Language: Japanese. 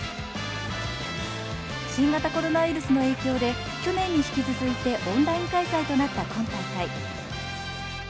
新型コロナウイルスの影響で去年に引き続いてオンライン開催となった今大会。